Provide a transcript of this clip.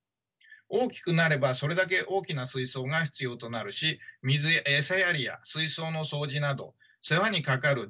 大きくなればそれだけ大きな水槽が必要となるし餌やりや水槽の掃除など世話にかかる時間と労力も増えます。